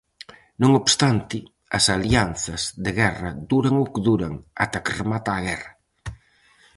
Non obstante, as alianzas de guerra duran o que duran; ata que remata a guerra.